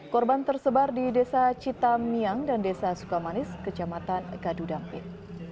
korban tersebar di desa citamiang dan desa sukamanis kecamatan kadu dampit